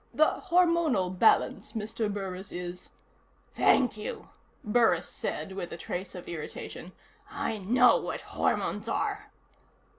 The hormonal balance, Mr. Burris, is " "Thank you," Burris said with a trace of irritation. "I know what hormones are."